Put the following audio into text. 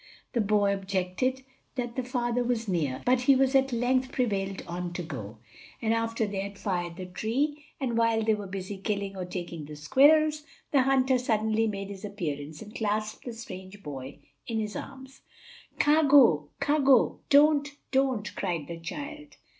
The boy objected that the father was near, but he was at length prevailed on to go, and after they had fired the tree, and while they were busy killing or taking the squirrels, the hunter suddenly made his appearance and clasped the strange boy in his arms. "Kago, kago, don't, don't," cried the child.